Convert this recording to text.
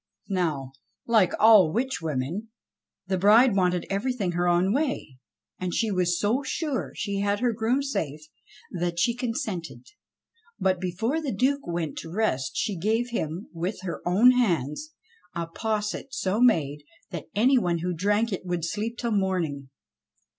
Now, like all witch women, the bride wanted everything her own way, and she was so sure she had her groom safe, that she consented ; but before the Duke went to rest she i62 ENGLISH FAIRY TALES gave him, with her own hands, a posset so made that any one who drank it would sleep till morning.